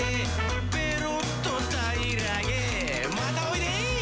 「ペロっとたいらげまたおいで」